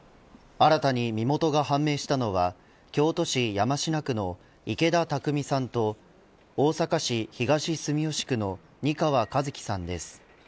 新たに身元が判明したのは京都市山科区の池田拓民さんと大阪市東住吉区の仁川雅月さんです。